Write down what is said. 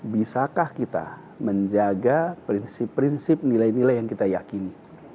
bisakah kita menjaga prinsip prinsip nilai nilai yang kita yakini